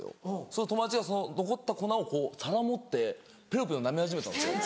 その友達が残った粉をこう皿持ってペロペロなめ始めたんですよ。